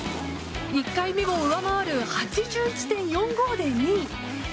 １回目を上回る８１．４５で２位。